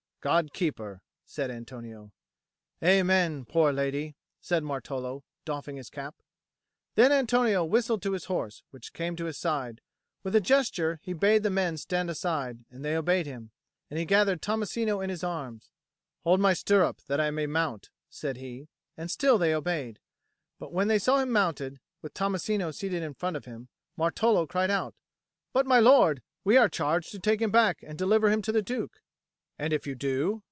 "God keep her," said Antonio. "Amen, poor lady!" said Martolo, doffing his cap. Then Antonio whistled to his horse, which came to his side; with a gesture he bade the men stand aside, and they obeyed him; and he gathered Tommasino in his arms. "Hold my stirrup, that I may mount," said he; and still they obeyed. But when they saw him mounted, with Tommasino seated in front of him, Martolo cried, "But, my lord, we are charged to take him back and deliver him to the Duke." "And if you do?"